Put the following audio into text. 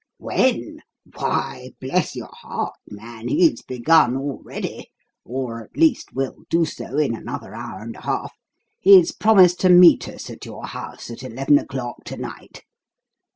"When? Why, bless your heart, man, he's begun already or, at least, will do so in another hour and a half. He's promised to meet us at your house at eleven o'clock to night.